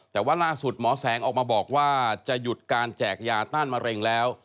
แต่ว่าล่าสุดหมอแสงออกมาบอกว่าจะหยุดการแจกยาต้านมะเร็งแล้ว